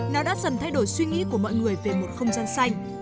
nó đã dần thay đổi suy nghĩ của mọi người về một không gian xanh